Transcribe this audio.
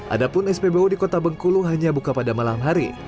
adapun spbu di kota bengkulu hanya buka pada malam hari